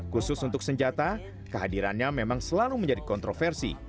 khusus untuk senjata kehadirannya memang selalu menjadi kontroversi